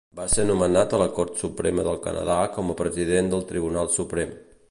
Va ser nomenat a la Cort Suprema del Canadà com a president del Tribunal Suprem.